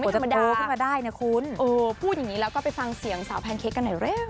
ไม่ธรรมดาเออพูดอย่างนี้แล้วก็ไปฟังเสียงสาวแพนเค้กกันหน่อยเร็ว